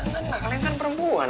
jangan lah kalian kan perempuan